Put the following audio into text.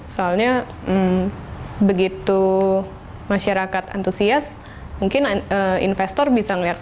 soalnya begitu masyarakat antusias mungkin investor bisa melihat